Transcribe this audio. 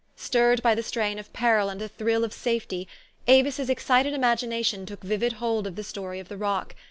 Stirred by the strain of peril and the thrill of safety, Avis's excited imagination took vivid hold of the story of the rock.